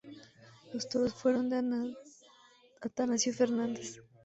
Los toros fueron de Atanasio Fernández.